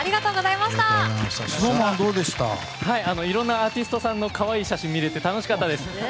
いろんなアーティストさんの可愛い写真が見れて楽しかったです。